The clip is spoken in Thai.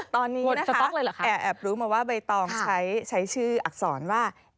ตอนนี้แอบรู้มาว่าใบตองใช้ชื่ออักษรว่า